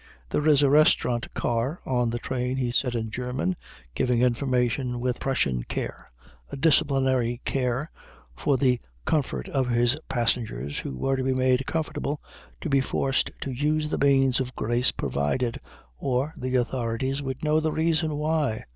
"There is a restaurant car on the train," he said in German, giving information with Prussian care, a disciplinary care for the comfort of his passengers, who were to be made comfortable, to be forced to use the means of grace provided, or the authorities would know the reason why.